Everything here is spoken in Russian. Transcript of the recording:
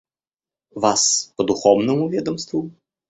Вас по духовному ведомству.